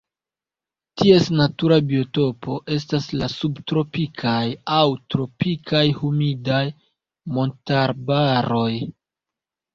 Ties natura biotopo estas la subtropikaj aŭ tropikaj humidaj montarbaroj.